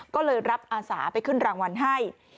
ก็เลยรับอาสาไปขึ้นรางวัลให้